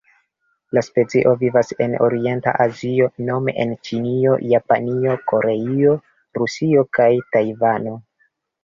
La specio vivas en Orienta Azio nome en Ĉinio, Japanio, Koreio, Rusio kaj Tajvano.